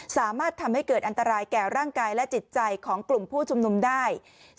สามารถทำให้เกิดอันตรายแก่ร่างกายและจิตใจของกลุ่มผู้ชุมนุมได้